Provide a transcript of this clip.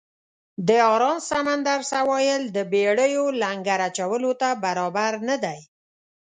د آرام سمندر سواحل د بېړیو لنګر اچولو ته برابر نه دی.